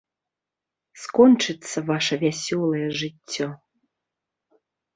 Скончыцца ваша вясёлае жыццё.